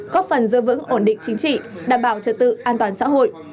góp phần giữ vững ổn định chính trị đảm bảo trật tự an toàn xã hội